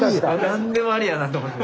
なんでもありやなと思って。